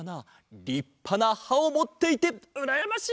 りっぱなはをもっていてうらやましい！